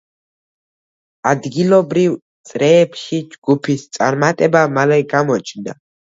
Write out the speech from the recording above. ადგილობრივ წრეებში ჯგუფის წარმატება მალე გამოჩნდა.